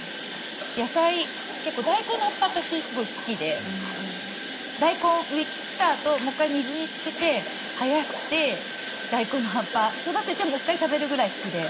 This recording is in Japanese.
野菜結構大根の葉っぱ私すごい好きで大根上切ったあともう１回水につけて生やして大根の葉っぱ育ててもう１回食べるぐらい好きで。